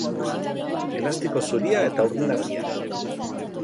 Elastiko zuria eta urdin argia.